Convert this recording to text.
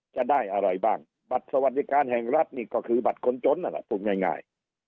จะได้อะไรบ้างบัตรสวัสดิการแห่งรัฐนี่ก็คือบัตรคนจนนั่นแหละพูดง่าย